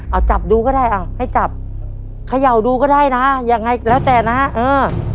เอาจับดูก็ได้อ่ะให้จับเขย่าดูก็ได้นะยังไงแล้วแต่นะเออ